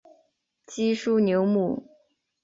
基舒纽姆。